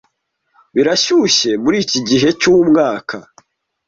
Birashyushye muriki gihe cyumwaka.